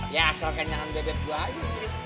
ya soalnya jangan bebek gue aja